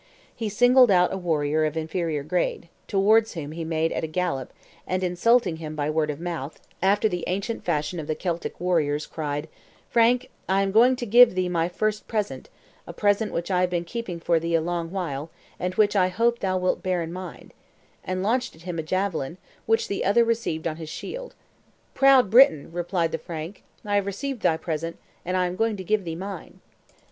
He singled out a warrior of inferior grade, towards whom he made at a gallop, and, insulting him by word of mouth, after the ancient fashion of the Celtic warriors, cried, "Frank, I am going to give thee my first present, a present which I have been keeping for thee a long while, and which I hope thou wilt bear in mind;" and launched at him a javelin, which the other received on his shield. "Proud Briton," replied the Frank, "I have received thy present, and I am going to give thee mine."